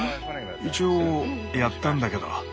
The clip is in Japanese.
一応やったんだけど。